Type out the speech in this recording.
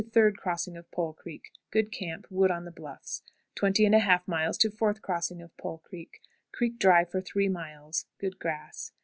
Third Crossing of Pole Creek. Good camp. Wood on the bluffs. 20 1/2. Fourth Crossing of Pole Creek. Creek dry for three miles. Good grass.